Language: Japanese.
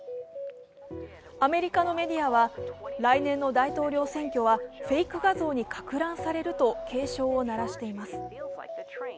アメリカのメディアは、来年の大統領選挙はフェイク画像にかく乱されると警鐘を鳴らしています。